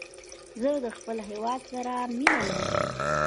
زه د خپل هېواد سره مینه لرم.